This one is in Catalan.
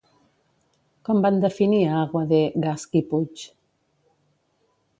Com van definir a Aguadé, Gasch i Puig?